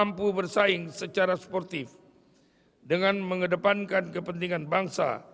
dan juga bersaing secara sportif dengan mengedepankan kepentingan bangsa